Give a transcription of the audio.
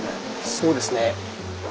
そうですね。